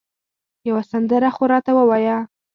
یوه سندره خو راته ووایه